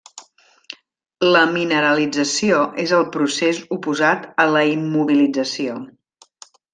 La mineralització és el procés oposat a la immobilització.